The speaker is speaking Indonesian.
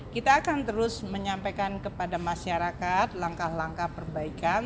kita akan terus menyampaikan kepada masyarakat langkah langkah perbaikan